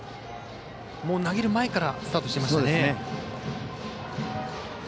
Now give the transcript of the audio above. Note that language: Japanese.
投げる前からスタートしていましたね。